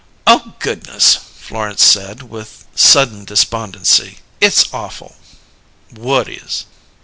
"Oh, goodness!" Florence said, with sudden despondency. "It's awful!" "Whut is?"